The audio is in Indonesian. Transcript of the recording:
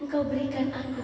mungkau berikan aku